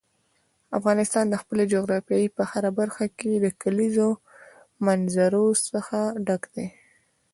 افغانستان د خپلې جغرافیې په هره برخه کې له کلیزو منظره څخه ډک دی.